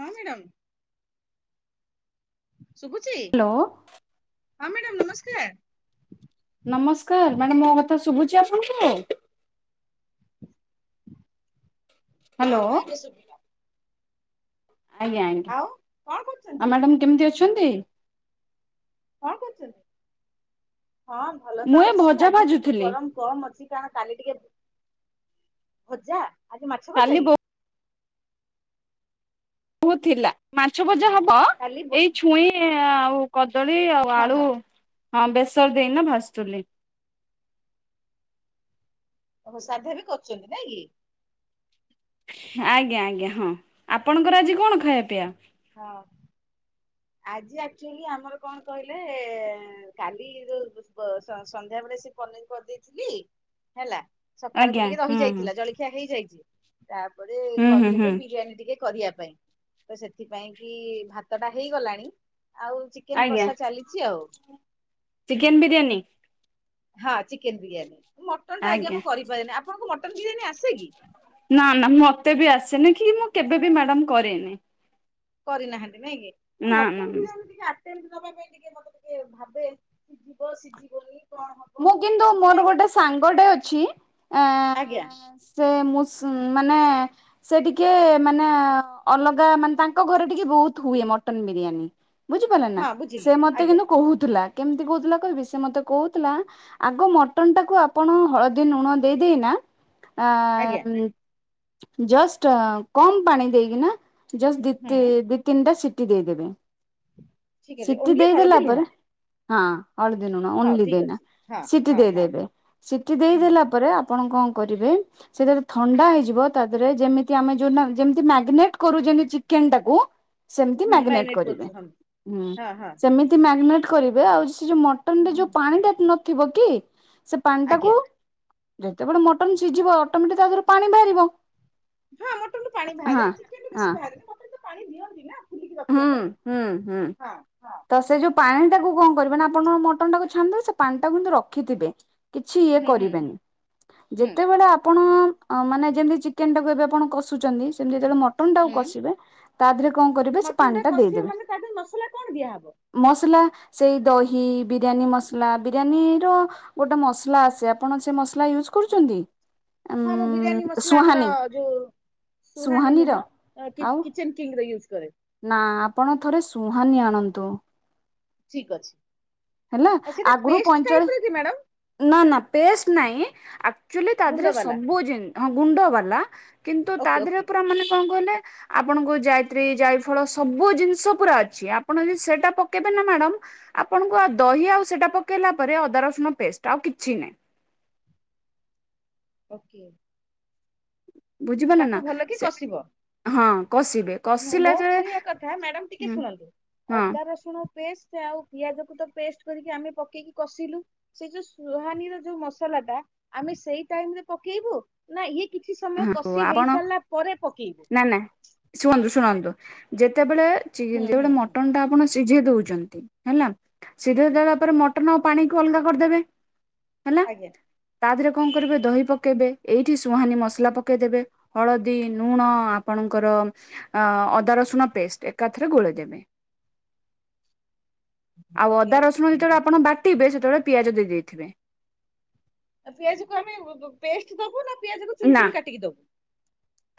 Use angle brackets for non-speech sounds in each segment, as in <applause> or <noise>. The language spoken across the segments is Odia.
ହଁ ମ୍ୟଡାମ। ଶୁଭୁଛି ହ୍ୟାଲୋ ହଁ ମ୍ୟାଡ଼ାମ୍ ନମସ୍କାର୍। ନମସ୍କାର୍। ମାନେ ମୋ କଥା ଶୁଭୁଚି ଆପଣଙ୍କୁ? ହଁ ହେଲୋ। ହଁ ଏବେ ଶୁଭିଲା ଆଜ୍ଞା ଆଜ୍ଞା ଆଉ କଣ ଆ କରୁଛନ୍ତି ମ୍ୟାଡ଼ାମ୍ କେମିତି ଅଛନ୍ତି? କଣ କରୁଛନ୍ତି? ହଁ ଭଲ ତ ମୁଁ ଏ ଅଛି ଭଜା ଆଜି ଟିକେ ଭାଜୁଥିଲି ଗରମ। କମ୍ ଅଛି କଣ କାଲି ଟିକେ, ଭଜା ଆଜି ମାଛ ଭଜା କାଲି କି? ପୁ ଥିଲା ମାଛ ଭଜା ହବ କାଲି ବ ଏଇ ଛୁଇଁ ଆଉ କଦଳୀ ଆଉ ହଁ ଆଳୁ ହଁ ହଁ ବେସର ଦେଇକିନା ଭାଜୁଥିଲି। ଓହୋ ସାଧା ବି କରୁଛନ୍ତି ନାଇଁ କି? ଆଜ୍ଞା ଆଜ୍ଞା ହଁ ଆପଣଙ୍କର ଆଜି କଣ ଖାଇବା ପିଇବା? ହଁ। ଆଜି ଆକ୍ଚୁଲି ଆମର କଣ କହିଲେ କାଲି ଯୋଉ ସ ସ ସନ୍ଧ୍ୟାବେଳେ ସେ ପନିର କରିଦେଇଥିଲି ହେଲା, ସଖାଳୁକୁ ଆଜ୍ଞା ଟିକେ ହୁଁ ରହିଯାଇଥିଲା, ହୁଁ ଜଳି ଖିଆ ହେଇଯାଇଚି, ତାପରେ ହୁଁ ହୁଁ କହିଲେ ଯେ ହୁଁ ବିରିୟାନୀ ଟିକେ କରିଆ ପାଇଁ ତ ସେଥିପାଇଁ କି ଭାତଟା ହେଇଗଲାଣି, ଆଉ ଚିକେନ୍ କଷା ଚାଲିଚି ଆଉ। ଚିକେନ୍ ବିରିୟାନି? ହଁ ଚିକେନ୍ ବିରିୟାନୀ। ମଟନଟା ଆଜ୍ଞା ମୁଁ କରିପାରେନି। ଆପଣଙ୍କୁ ମଟନ୍ ବିରିୟାନୀ ଆସେ କି? ନା, ନା। ମତେ ବି ଆସେନି କି, ମୁଁ କେବେ ବି ମ୍ୟାଡାମ୍ କରିନି। କରିନାହାଁନ୍ତି ନାଇଁକି? ମୁଁ ନା ମଟନ ନା ବିରିୟାନୀ ଟିକେ ଆସ୍ ସେମତି ଦବା ପାଇଁ ଟିକେ ମତେ ଟିକେ ଭାବେ ସିଜିବ, ସିଜିବନି ମୁଁ କିନ୍ତୁ ମୋର ଗୋଟେ ସାଙ୍ଗଟେ ଅଛି, ଆଜ୍ଞା ଆଁ ସେ ମୁସ୍ ମାନେ ସେ ଟିକେ ମାନେ ଅଲଗା ମାନେ ତାଙ୍କ ଘରେ ଟିକେ ବହୁତ୍ ହୁଏ, ମଟନ ବିରିୟାନୀ। ବୁଝିପାରିଲେ ନା? ହଁ ବୁଝିଲି ସେ ମତେ ଆଜ୍ଞା କିନ୍ତୁ କହୁଥିଲା, କେମତି କହୁଥିଲା କହିବି, ସେ ମତେ କହୁ ଥିଲା, ଆଗ ମଟନଟାକୁ ଆପଣ ହଳଦୀ, ନୁଣ ଦେଇ ଦେଇନା ଆ ଆଜ୍ଞା ଜଷ୍ଟ କମ୍ ପାଣି ଦେଇକିନା ଜଷ୍ଟ ଦି ତି ହୁଁ ଦି ତିନିଟା ସିଟି ଦେଇଦେବେ। ଠିକ ଅଛି ସିଟି ଓନ୍ଲି ହଳଦୀ ଦେଇଦେଲା ଲୁଣ ପରେ ହଁ, ହଳଦୀ, ନୁଣ ହଉ ଓନ୍ଲି ଠିକ ଦେଇନା, ଅଛି ହଁ ସିଟି ହଁ ହଁ ଦେଇଦେବେ, ସିଟି ହୁଁ ଦେଇଦେଲା ପରେ ଆପ ଆପଣ କଣ କରିବେ ସେ ଯଦି ଥଣ୍ଡା ହେଇଯିବ, ତା ଦେଏରେ ଯେମିତି ଆମେ ଯୋଉ ନା ଯେମିତି ମାଗିନେଟ୍ କରୁ ଯେମତି ଚିକେନଟାକୁ ସେମତି ମ୍ୟାଗନେଟ୍ ମ୍ୟାରିନେଟ କରିବେ, କରୁଛୁ ହଁ ହୁଁ। ହଁ ହଁ ସେମିତି ମ୍ୟାଗନେଟ୍ କରିବେ ଆଉ ସେ ଯୋଉ ମଟ୍ ହୁଁ, ହୁଁ। ପାଣିଟା ନଥିବ କି, ସେ ଆଜ୍ଞା ପାଣିଟାକୁ ଯେତେବେଳେ ମଟନ୍ ସିଝିବ, ଅଟୋମେଟିକ୍ ତା ଦେହରୁ ପାଣି ବାହାରିବ। ହଁ ମଟନରୁ ପାଣି ହଁ ବାହାରେ, ଚିକେନରୁ ହଁ ବେଶୀ ବାହାରେନି। ମଟନରେ ତ ପାଣି ଦିଅନ୍ତି ନା। ଫୁଲିକି ରଖିବା ହୁଁ, ପାଇଁ। ହୁଁ, ହୁଁ। ହଁ ହଁ ତ ସେ ଯୋଉ ପାଣିଟାକୁ କଣ କରିବେ ନା, ଆପଣଙ୍କ ମଟନଟାକୁ ଛାଣିଦେବେ, ସେ ପାଣିଟାକୁ କିନ୍ତୁ ରଖିଥିବେ କିଛି ଇଏ ହୁଁ ହୁଁ କରିବେନି। ହୁଁ ଯେତେବେଳେ ଆପଣ ଅ ମାନେ ଯେମିତି ଚିକେନଟାକୁ ଏବେ ଆପଣ କଷୁଚନ୍ତି, ସେମିତି ଯେତେବେଳେ ମଟନଟାକୁ କଷିବେ, ତାଧେରେ କଣ କରି ମଟନଟା କଷିବେ ମାନେ ତା ଦେଏରେ ମସଲା କଣ ଦିଆହବ? ମସଲା, ସେଇ ଦହି, ବିରିୟାନୀ ମସଲା, ବିରିୟାନୀର ଗୋଟେ ମସଲା ଆସେ, ଆପଣ ସେ ମସଲା ୟୁଜ୍ କରୁଚନ୍ତି? ହଁ, ମୁଁ ବିରିୟାନୀ ମସଲା ଆମର ଯୋଉ ସୁହାନୀ ସୁହାନୀର ନୁହଁ, କି-କିଚେନ୍ କିଙ୍ଗର ୟୁଜ୍ କରେ। ନାଁ, ଆପଣ ଥରେ ସୁହାନୀ ଆଣନ୍ତୁ। ଠିକ୍ ଅଛି। ଆ ସେଇଟା ପେଷ୍ଟ୍ ଟାଇପର କି ମ୍ୟାଡାମ୍? ନାଁ ନାଁ, ପେଷ୍ଟ୍ ନାଇଁ, ଆକ୍ଚୁଆଲି ତା ଗୁଣ୍ଡ ଦେହରେ ବାଲା ସବୁ ଜିନ ହଁ, ଗୁଣ୍ଡ ବାଲା କିନ୍ତୁ, ଓକେ ତାଦେହରେ ଓକେ ପୁରା ମାନେ କଣ କହିଲେ ଆପଣଙ୍କୁ ଜାଇତ୍ରୀ, ଜାଇଫଳ ସବୁ ଜିନିଷ ପୁରା ଅଛି, ଆପଣ ଯଦି ସେଇଟା ପକେଇବେ ନା ମ୍ୟାଡ଼ାମ୍ ଆପଣଙ୍କୁ ଆଉ ଦହି ଆଉ ସେଇଟା ପକେଇଲା ପରେ ଅଦା ରସୁଣ ପେଷ୍ଟ୍, ଆଉ କିଛି ନାହିଁ। ଓକେ। ବୁଝିପାରିଲ ନା? ତାକୁ ଭଲ ସେ ହଁ, କଷିବେ। କଷିଲା ମୋ-ମୋ ଯେ କହିଆ କଥା, ମ୍ୟାଡାମ୍ ଟିକେ ହୁଁ, ଶୁଣନ୍ତୁ। ହଁ ଅଦା, ରସୁ ରସୁଣ ପେଷ୍ଟ ଆଉ ପିଆଜକୁ ତ ପେଷ୍ଟ କରିକି ଆମେ ପକେଇକି କଷିଲୁ ସେ ଯୋଉ ସୁହାନୀର ଯୋଉ ମସଲାଟା, ଆମେ ସେଇ ଟାଇମରେ ପକେଇବୁ ନା ଇଏ କିଛି ସମୟ ହଁ ହଉ କଷି ଆପଣ ହେଇସାରିଲା ପରେ ପକେଇବୁ? ନା ନା ଶୁଣନ୍ତୁ, ଶୁଣନ୍ତୁ, ଯେତେବେଳେ ଯେ ହୁଁ ହୁଁ ଯେଗୋଟେ ହୁଁ। ମଟନ୍ ଟା ଆପଣ ସିଝେଇ ଦଉଚନ୍ତି, ହେଲା ସିଝେଇ ଦେବା ପରେ ମଟନ ଆଉ ପାଣିକୁ ଅଲଗା କରିଦେବେ। ହେଲା, ଆଜ୍ଞା ତା ଦେହେରେ କଣ କରିବେ ଦହି ପକେଇବେ, ଏଇଠି ସୁହାନୀ ମସ୍- ଲା ପକେଇଦେବେ ହଳଦୀ ନୁଣ ଆପଣଙ୍କର ଅ ଅଦା ରସୁଣ ପେଷ୍ଟ୍ ଏକାଥରେ ଗୋଳେଇ ଦେବେ। <unintelligible> ଆଉ ଓକେ ଅଦା ରସୁଣ ଯେତେବେଳେ ଆପଣ ବାଟିବେ ସେତେବେଳେ ପିଆଜ ଦେଇ ଦେଇଥିବେ। ପିଆଜ କୁ ଆମେ ପେଷ୍ଟ ଦବୁ ନା ପିଆଜକୁ ଚୁନ୍ ନା ଚୁନ୍ କାଟିକି ଦବୁ?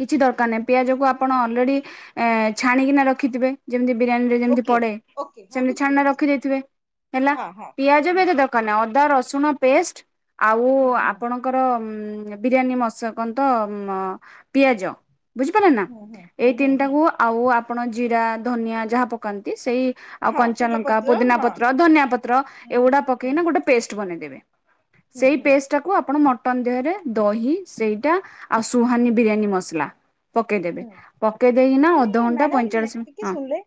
କିଛି ଦରକାର ନାହିଁ ପିଆଜକୁ ଆପଣ ଅଲରେଡ଼ି ଛାଣିକିନା ରଖିଥିବେ। ଯେମିତି ବିରିୟାନୀ ରେ ଯେମିତି ଓକେ ପଡେ ଓକେ ହଁ ସେମିତି ବୁଝିଲି ଛାଣିକିନା ବୁଝିଲି ବୁଝିଲି। ରଖିଦେଇଥିବେ ହେଲା। ହଁ ହଁ ପିଆଜ ବି ହୁଁ। ଏତେଦର କାର ନାଇଁ ଅଦା ରସୁଣ ପେଷ୍ଟ ଆଉ ହୁଁ ହୁଁ ଆପଣ ଙ୍କର ବିରିୟାନୀ ମଶ କଣ ତ ମ ପିଆଜ ବୁଝିପାରିଲେ ନା ହୁଁ ହୁଁ ହୁଁ ଏଇ ହୁଁ ହୁଁ। ତିନିଟାକୁ ଆଉ ଆପଣ ଜିରା ଧନିଆ ଯାହା ପକାନ୍ତି ସେଇ ଆଉ ହଁ କଞ୍ଚା ଲଙ୍କା ତେଜପତ୍ର ପୁଦିନା ହଁ। ପତ୍ର ଧନିଆ ପତ୍ର ହୁଁ ହୁଁ ଏଗୁଡା ହୁଁ ପକେଇନା ଗୋଟେ ପେଷ୍ଟ୍ ବନେଇଦେବେ। ହୁଁ ସେଇ ହୁଁ ପେଷ୍ଟ ଟାକ ଟାକୁ ମଟନ ଦେହରେ ଦହି ସେଇଟା ଆଉ ସୁହାନୀ ହୁଁ ବିରିୟାନୀ ମସଲା ପକେଇଦେବେ ହୁଁ। ପକେଇ ଦେଇକିନା ଆମେ ଅଧଘଣ୍ଟା ମ୍ୟାଡାମ ପଇଁଚାଳିଶ ଟିକେ ମିନିଟ୍ ହଁ। ଶୁଣିଲେ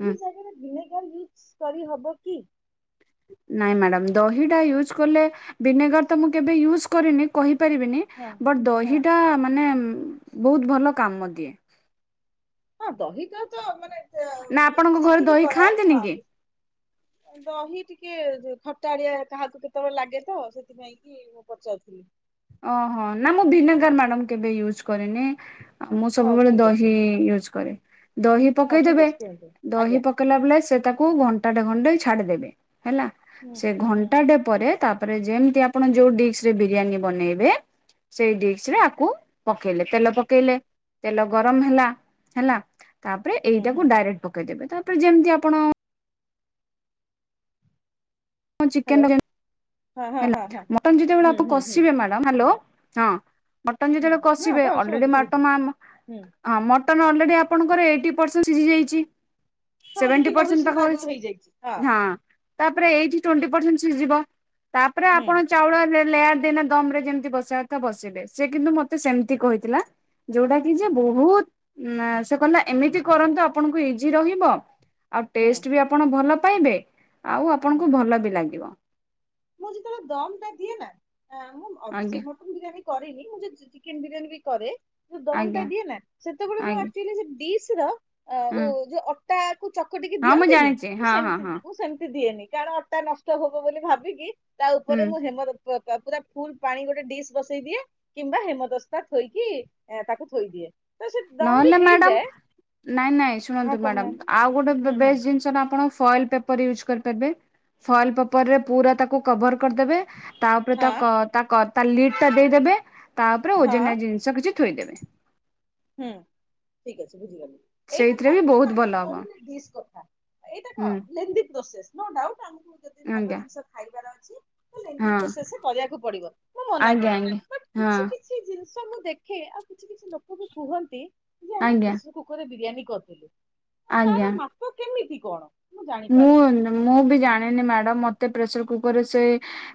ହୁଁ ଜାଗାରେ ଭିନେଗାର୍ ୟୁଜ୍ କରିହବ କି? ନାଇଁ ମ୍ୟାଡ଼ାାମ ଦହିଟା ୟୁଜ୍ କଲେ ଭିନେଗାର ତ ମୁଁ କେବେ ୟୁଜ କରିନି କହିପାରିବିନି। ହଁ ବଟ୍ ହଁ। ଦହିଟା ମାନେ ବହୁତ ଭଲ କାମ ଦିଏ। ହଁ ଦହିଟା ତ ନା ଆପଣଙ୍କ ଘରେ ମାନେ <inaudible> ଦହି କରାଏ ଖାଆନ୍ତିନି କି? ହଁ। ଦହି ଟିକେ ଖଟାଳିଆ କାହାକୁ କେତେବେଳେ ଲାଗେ ତ ସେଥିପାଇଁ କି କି ମୁଁ ପଚାରୁଥିଲି। ଓ ହୋ ନା ମୁଁ ଭିନେଗାର ମ୍ୟାଡାମ୍ କେବେ ୟୁଜ କରିନି। ମୁଁ ହଉ ସବୁବେଳେ ଠିକ ଅଛି ଦହି ୟୁଜ୍ କରେ ଦହି ହଉ ଠିକ ପକେଇଦେବେ ଅଛି କୁହନ୍ତୁ ଦହି ଆଜ୍ଞା ପକ କଲା ବେଳେ ସେ ତାକୁ ଘଣ୍ଟା ଖଣ୍ଡେ ଛାଡ଼ି ଦେବେ ହେଲା ହୁଁ ସେ ହୁଁ ଘଣ୍ଟାଟେ ପରେ ତାପରେ ଯେମିତି ଆପଣ ଯୋଉ ଡିସ୍ ରେ ବିରିୟାନୀ ବନେଇବେ ସେଇ ଡିିସ୍ ରେ ଆକୁ ପକେଇଲେ ତେଲ ପକେଇଲେ ତେଲ ଗରମ ହେଲା ହେଲା ତାପରେ ହୁଁ ହୁଁ ଏଇଟାକୁ ଡାଇରେକ୍ଟ ପକେଇଦେବେ ତାପରେ ଯେମତି ଆପଣ ମୁଁ ହ୍ୟାଲୋ ଚିକେନ୍ ହଁ ହଁ ହେଲା ହଁ ହଁ ମଟନ୍ ଯେତେବେଳେ ହୁଁ ଆପଣ ହୁଁ ହୁଁ। କସିବେ ମ୍ୟାଡ଼ାମ ହ୍ୟାଲୋ ହୁଁ ହଁ। ମଟନ୍ ହୁଁ ଯେତେବେଳେ ହଁ କଷିବେ କହ ଅଲରେଡି ଶୁଣନ୍ତୁ ଶୁଭୁଛି ମଟନ୍ ଆମ ହୁଁ ହଁ ମଟନ୍ ଅଲରେଡ଼ି ଆପଣଙ୍କର ଏଇଟି ପରସେଣ୍ଟ ସିଝି ଯାଇଛି। ହଁ ଦି ସେଭେଣ୍ଟି ତିନିଟା ପରସେଣ୍ଟ ହୁଇସିଲ ତ ପାଖ ହେଇଚି ଆଗରୁ ହେଇଯାଇଛି ହଁ ତାପରେ ଏଇଠି ଟ୍ୱଣ୍ଟି ପରସେଣ୍ଟ ସିଜିବ। ତାପରେ ହୁଁ ଆପଣ ଚାଉଳ ଲେୟାର ଦେଇକିନା ଦମରେ ଯେମିତି ବସେଇବା କଥା ବସେଇବେ ସେ କିନ୍ତୁ ମତେ ସେମିତି କହିଥିଲା। ଯଉଟା କି ଯେ ବହୁତ ନେ ସେ କହିଲା ଏମିତି କରନ୍ତୁ ଆପଣଙ୍କୁ ଇଜି ରହିବ ଆଉ ହୁଁ ଟେଷ୍ଟ ବି ଆପଣ ଭଲ ପାଇବେ ଆଉ ହୁଁ। ଆପଣଙ୍କୁ ଭଲ ବି ଲାଗିବ। ମୁଁ ଯେତେବେଳେ ଦମ୍ ଟା ଦିଏ ନାଆଁ ମୁଁ ଅ ଆଜ୍ଞା ମଟନ ବିରିୟାନୀ କରିନି ମୁଁଜଦି ଚିକେନ ବିରିୟାନୀ ବି କରେ ଯୋଉ ଦମ୍ ଟା ଆଜ୍ଞା। ଦିଏ ନା ସେତେବେଳେ ମୁଁ ଆଜ୍ଞା ଏକ୍ଟୁଲୀ ସେ ଡିସର ଓ ହଁ ଜ ଅ ଅଟାକୁ ଚକଟିକି ହଁ ମୁଁ ଦିଅନ୍ତିନି ଜାଣିଛି ମୁଁ ହଁ ହଁ ସେମତି ହଁ ମୁଁ ସେମିତି ଦିଏନି କାରଣ ଅଟା ନଷ୍ଟ ହବ ବୋଲି ଭାବିକି କି ତା ହୁଁ ଉପରେ ମୁଁ ହେମ ପୁରା ଫୁଲ ପାଣି ଗୋଟେ ଡିସ୍ ବସେଇ ଦିଏ। କିମ୍ବା ହେମଦସ୍ତା ଥୋଇକି ତାକୁ ଥୋଇଦିଏ। ତ ସେ ଦମ୍ ବି ହେଇଯାଏ। ନାଇଁ-ନାଇଁ ହଁ ଶୁଣନ୍ତୁ ମ୍ୟାଡ଼ମ୍ କହୁନାହାନ୍ତି ଆଉ ଗୋଟେ ହୁଁ ହୁଁ ବେଷ୍ଟ ଜିନିଷଟା ଆପଣ ଫଏଲ୍ ପେପ୍ ପର୍ ୟୁଜ୍ କରିପାରିବେ ଫଏଲ୍ ପେପର୍ ରେ ପୁରା ତାକୁ କଭର୍ କରିଦେବେ, ତାପରେ ତା ହଁ କ ତା କ ତା ଲିଡ୍ ଟା ଦେଇଦେବେ ତା ଓପରେ ହଁ ଓଜନିଆ ଜିନିଷ କିଛି ଥୋଇଦେବେ। ହୁଁ ଠିକ୍ ଅଛି ବୁଝିଗଲି। ଏଇଟା ସେଇଥିରେ ତ ବି ଆପଣ ବହୁତ ମ୍ୟାଡମ୍ ଭଲ ହବ କହିଲେ ଡିସ୍ କଥା, ଏଇଟା କଣ ହୁଁ। Lengthy process. ନୋ ଡାଉଟ୍ ଆମୁକୁ ଯଦି ଭଲ ଆଜ୍ଞା ଜିନିଷ ଖାଇବାର ଅଛି, ତ ଲେନ୍ଦି ହଁ ପ୍ରୋସେସ୍ ରେ କରିବାକୁ ପଡିବ ମୁଁ ମନା ଆଜ୍ଞା କରୁନି। ଆଜ୍ଞା ବଟ ହଁ। କିଛି କିଛି ଜିନିଷ ମୁଁ ଦେଖେ, ଆଉ କିଛି-କିଛି ଲୋକ ବି କୁହନ୍ତି ଆଜ୍ଞା। କୁକର୍ ରେ ବିରିୟାନୀ <unintelligible> ଆଜ୍ଞା। <unintelligible> କେମିତି କଣ? ମୁଁ ଜାଣିପାରେନି। ମୁଁ-ମୁଁ ବି ଜାଣିନି ମ୍ୟାଡ଼ମ୍, ମତେ ପ୍ରେସର୍ କୁକର୍ ରେ ସେ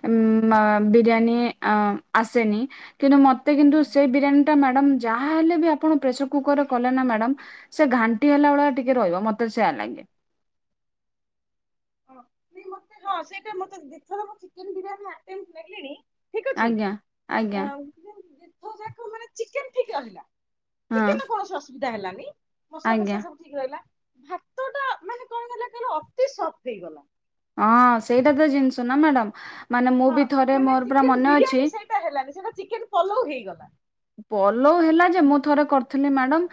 ଉଁ ମ ବିରିୟାନୀ ଅ ଆସେନି, କିନ୍ତୁ ମତେ କିନ୍ତୁ ସେଇ ବିରିୟାନୀ ଟା ମ୍ୟାଡ଼ମ୍ ଯାହା ହେଲେ ବି ଆପଣ ପ୍ରେସର୍ କୁକର୍ ରେ କଲେ ନା ମ୍ୟାଡ଼ମ୍ ସେ ଘାଣ୍ଟି ହେଲା ଭଳିଆ ଟିକେ ରହିବ ମତେ ସେୟା ଲାଗେ। ହଁ ସେ ମତେ ହଁ ସେଇଟା ମତେ ଥର ମୁଁ ଚିକେନ ବିରିୟାନି ଆଟେମ୍ଟ୍ ନେଲିଣି ଠିକ୍ ଅଛି, ଆଜ୍ଞା। ଆ ଆଜ୍ଞା ଦି ଥର ଯାକ ମାନେ ଚିକେନ୍ ଠିକ୍ ରହିଲା ହଁ ଚିକେନ୍ ର କୌଣସି ଅସୁବିଧା ହେଲାନି, ମସଲା ଆଜ୍ଞା ଫସଲା ସବୁ ଠିକ୍ ରହିଲା, ଭାତଟା ମାନେ କଣ ହେଲା କହିଲ ଅତି ସଫ୍ଟ ହେଇଗଲା। ହଁ ସେଇଟା ତ ଜିନିଷ ନା ମ୍ୟାଡ଼ମ୍, ମାନେ ମୁଁ ବି ଥରେ ମୋର ପୁରା ମନେ ଅଛି ଟା ହେଲାନି ସେଇଟା ଚିକେନ ପଲଉ ହେଇଗଲା। ପଲଉ ହେଲା ଯେ, ମୁଁ ଥରେ କରିଥିଲି ମ୍ୟାଡାମ୍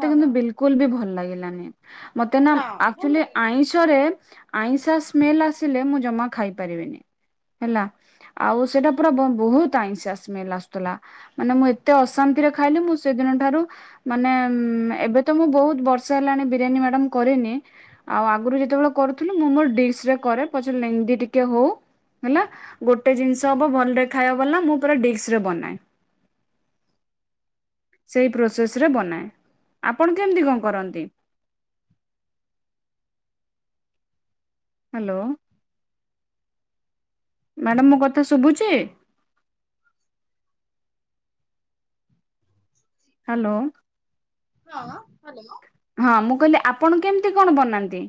ହଁ କିନ୍ତୁ ହଁ ବିଲକୁଲ୍ ବି ଭଲ୍ ଲାଗିଲାନି। ମତେ ନା ଭଲ ଆକ୍ଚୁଲି ଲାଗିଲାନି। ଆଇଁଷ୍ ଷରେ ଆଇଁଷିଆ ସ୍ମେଲ୍ ଆସିଲେ ମୁଁ ଜମା ଖାଇ ପାରିବିନି। ହେଲା ଆଉ ସେଇଟା ପୁରା ବହୁତ୍ ଆଇଁଷଆ ସ୍ମେଲ୍ ଆସୁଥିଲା, ମାନେ ମୁଁ ଏ ତେ ଅଶାନ୍ତିରେ ଖାଇଲି, ମୁଁ ସେଦିନ ଠାରୁ ମାନେ ଏବେ ତ ମୁଁ ବହୁତ୍ ବର୍ଷେ ହେଲାଣି ବିରିୟାନୀ ମ୍ୟାଡ଼ମ୍ କରିନି। ଆଉ ଆଗୁରୁ ଯେତବଳେ କରୁଥିଲି, ମୁଁ ମୋର ଡିସ୍ ରେ କରେ ପଛରେ ଲେନ୍ଦୀ ଟିକେ ହଉ। ହେଲା ଗୋଟେ ଜିନିଷ ହବ ଭଲରେ <unintelligible> ମୁଁ ପୁରା ଡିକ୍ସ ରେ ବନାଏ। ସେଇ ପ୍ରୋସେସ୍ ରେ ବନାଏ, ଆପଣ କେମ୍ତି କଣ କରନ୍ତି? ହାଲୋ। ମ୍ୟାଡ଼ମ୍ ମୋ କଥା ଶୁଭୁଛି? <inaudible> ହାଲୋ। ହଁ ହାଲୋ। ହଁ ମୁଁ କହିଲି ଆପଣ କେମ୍ତି କଣ ବନାନ୍ତି?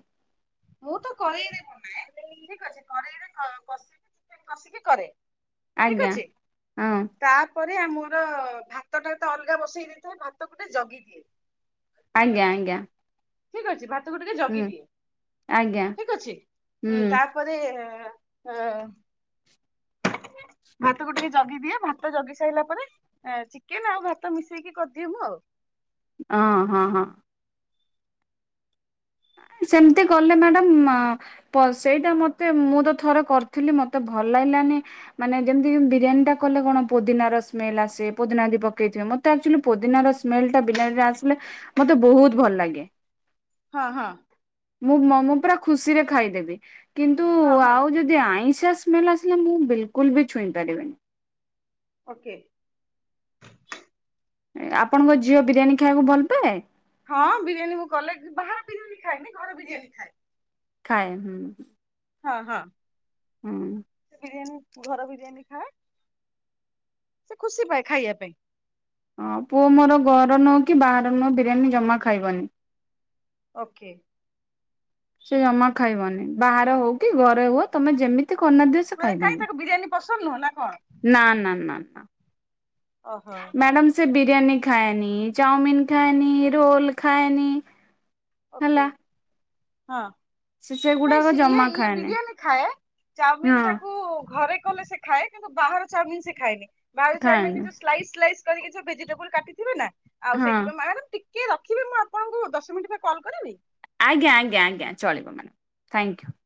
ମୁଁ ତ କରେଇରେ ବନାଏ, ଠିକ୍ ଅଛି କରେଇରେ କସି କସିକି କରେ। ଠିକ ଆଜ୍ଞା, ଅଛି। ହଁ। ତାପରେ ମୋର ଭାତଟା ତ ଅଲଗା ବସେଇ ଦେଇଥାଏ, ଭାତ ଗୋଟେ ଜଗିଦିଏ। ଆଜ୍ଞା-ଆଜ୍ଞା। ଠିକ୍ ଅଛି ଭାତକୁ ଟିକେ ଜଗିଦିଏ, ଆଜ୍ଞା ଠିକ୍ ଅଛି ଉଁ ହୁଁ ତା ପରେ <unintelligible> ଭାତକୁ ଟିକେ ଜଗିଦିଏ, ଭାତ ଜଗି ସାଇଲା ପରେ ଏ ଚିକେନ ଆଉ ଭାତ ମିଶେଇକି କରିଦିଏ ମୁଁ ଆଉ। ଅଁ ହଁ ହଁ। ସେମତି କଲେ ମ୍ୟାଡମ୍ ଅଁ ପ ସେଇଟା ମତେ ମୁଁ ତ ଥରେ କରିଥିଲି ମତେ ଭଲ ଲାଗିଲାନି। ମାନେ ଯେମତି ବିରିୟାନୀ ଟା କଲେ କଣ ପୋଦିନାର ସ୍ମେଲ ଆସେ ପୋଦିନା ଯଦି ପକେଇଥିବେ ମ ମତେ ଆକ୍ଚୋଲି ପୋଦିନାର ସ୍ମେଲ ଟା ବିରିୟାନୀ ଆସିଲେ ମତେ ବହୁତ ଭଲ ଲାଗେ। ହଁ ହଁ। ମୁଁ ମ ମୁଁ ପୁରା ଖୁସିରେ ଖାଇଦେବି କିନ୍ତୁ ହଁ ହଁ ଆଉ ଯଦି ଦି ଆଇଁଷିଆ ସ୍ମେଲ ଆସିଲେ ମୁଁ ବିଲକୁଲ ବି ଛୁଇଁ ପାରିବିନି। ଓକେ। ଏ ଆପଣଙ୍କ ଝିଅ ବିରିୟାନୀ ଖାଇଆକୁ ଭଲ ପାଏ? ହଁ ବିରିୟାନୀ ମୁଁ କଲେ ବାହାର ବିରିୟାନୀ ଖାଏନି ଘର ବିରିୟାନୀ ଖାଏ। ଖାଏ ହୁଁ। ହଁ ହଁ। ହୁଁ। ବିରିୟାନୀ ଘର ବିରିୟାନୀ ଖାଏ। ସେ ଖୁସି ପାଏ ଖାଇଆ ପାଇଁ। ହଁ ପୁଅ ମୋର ଘର ନୁଅ କି ବାହାରେ ନୁଅ ବିରିୟାନୀ ଜମା ଖାଇବନି। ଓକେ। ସେ ଜମା ଖାଇବନି ବାହାରେ ହଉ କି ଘରେ ହୁଅ ତମେ ଯେମିତି କରନି ନା ଦିଅ ସେ ମାନେ କାଇଁ ଖାଇବନି। ତାକୁ ବିରିୟାନି ପସନ୍ଦ ନୁହଁ ନା କଣ? ନା ନା ନା ନା ଓହୋ ମ୍ୟାଡାମ ସେ ବିରିୟାନି ଖାଏନି, ଚାଓମିିନ ଖାଏନି, ରୋଲ ଖାଏନି। ହେଲା। ଓକେ ହଁ। ସେ ନାଇଁ ସେଗୁଡାକ ସେ ଇଏ ଜମା ଇଏ ଖାଏନି ବିରିୟାନି ଖାଏ ଚାଓମିନ ହଁ ଟାକୁ ଘରେ କଲେ ସେ ଖାଏ କିନ୍ତୁ ବାହାର ଚାଓମିନ ସିଏ ଖାଏନି ବାହାର ଖାଏନି ଚାଓମିନରେ ଯୋଉ ସ୍ଲାଇସ୍ ସ୍ଲାଇସ୍ କରିକି ସେ ଭେଜିଟେବୁଲ କାଟିଥିବେ ନା ଆଉ ହଁ। ସେଇଥି ମ୍ୟାଡାମ ଟି କେ ରଖିବେ ମୁଁ ଆପଣଙ୍କୁ ଦଶ ମିନିଟ୍ ପରେ କଲ୍ କରିବି? ଆଜ୍ଞା ଆଜ୍ଞା ଆଜ୍ଞା ଚଳିବ ମ୍ୟାମ ଥ୍ୟାଙ୍କ ୟୁ।